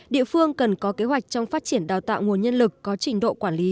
địa phương cần có kế hoạch trong phát triển đào tạo nguồn nhân lực có trình độ quản lý